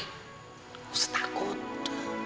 nggak usah takut